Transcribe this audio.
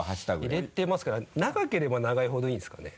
入れてますけど長ければ長いほどいいんですかね？